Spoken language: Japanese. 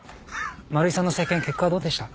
丸井さんの生検結果はどうでした？